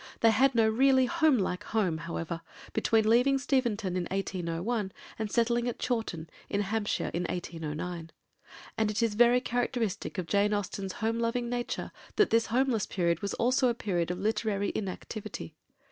They had no really homelike home, however, between leaving Steventon in 1801 and settling at Chawton, in Hampshire, in 1809; and it is very characteristic of Jane Austen's home loving nature that this homeless period was also a period of literary inactivity.